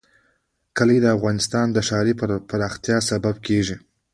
کلي د افغانستان د ښاري پراختیا سبب کېږي.